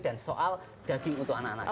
dan soal daging untuk anak anak kita